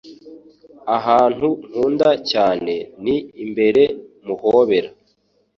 Ahantu nkunda cyane ni imbere muhobera.